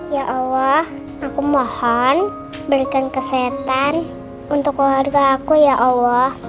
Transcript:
ya allah aku mohon berikan kesehatan untuk keluarga aku ya allah